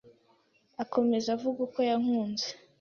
Akomeza avuga uko yankunze